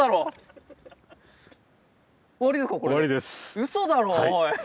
うそだろおい！